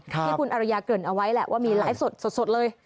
ที่คุณอริยาเกริ่นเอาไว้แหละว่ามีไลฟ์สดเลย